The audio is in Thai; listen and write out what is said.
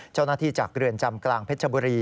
เจ้าหน้าที่จากเรือนจำกลางเพชรบุรี